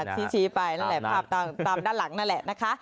ที่ชี้ไปนั่นแหละตามด้านหลังอ่ะละนะคะ